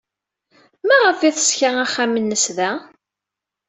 Maɣef ay teṣka axxam-nnes da?